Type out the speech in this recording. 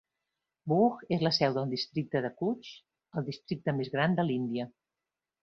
Bhuj és la seu del districte de Kutch, el districte més gran de l'Índia.